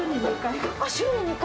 週に２回？